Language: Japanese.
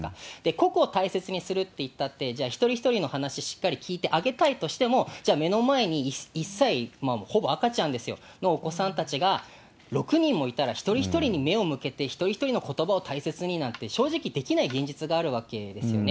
個々を大切にするっていったって、じゃあ一人一人の話、しっかり聞いてあげたいとしても、じゃあ、目の前に１歳、ほぼ赤ちゃんですよ、お子さんたちが６人もいたら、一人一人に目を向けて、一人一人のことばを大切になんて、正直、できない現実があるわけですよね。